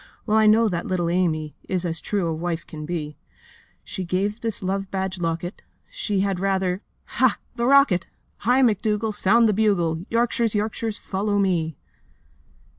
Well I know that little Amy Is as true as wife can be. She to give this love badged locket! She had rather ... Ha, the rocket! Hi, McDougall! Sound the bugle! Yorkshires, Yorkshires, follow me!